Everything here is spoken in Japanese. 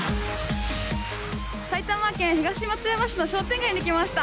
埼玉県東松山市の商店街に来ました。